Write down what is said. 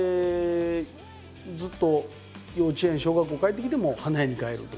ずっと幼稚園小学校帰ってきても花屋に帰るという。